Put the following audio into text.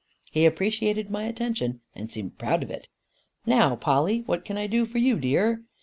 He appreciated my attention, and seemed proud of it. "Now, Polly, what can I do for you, dear?"